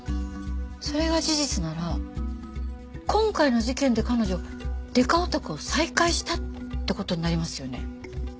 それが事実なら今回の事件で彼女デカオタクを再開したって事になりますよね。